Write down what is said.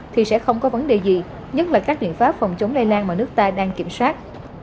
thì sẽ không có vấn đề gì nhất là các biện pháp phòng chống lây lan mà nước ta đang kiểm soát